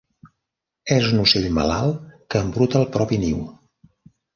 "És un ocell malalt que embruta el propi niu"